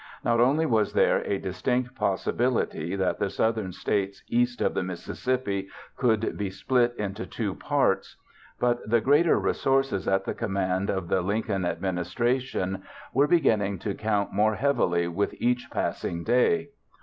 Not only was there a distinct possibility that the Southern States east of the Mississippi could be split into two parts, but the greater resources at the command of the Lincoln administration were beginning to count more heavily with each passing day.